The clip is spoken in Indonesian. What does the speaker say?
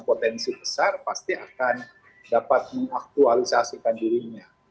potensi besar pasti akan dapat mengaktualisasikan dirinya